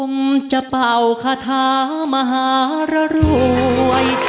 อมเจ้าเป้าข้าถามหาร่วย